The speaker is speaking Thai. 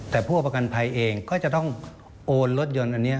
แต่ผู้ประกันภัยเองก็จะต้องโอนรถยนต์อันนี้